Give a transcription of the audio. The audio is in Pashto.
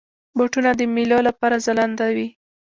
بوټونه د میلو لپاره ځلنده وي.